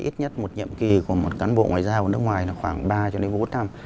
ít nhất một nhiệm kỳ của một cán bộ ngoại giao ở nước ngoài là khoảng ba cho đến bốn năm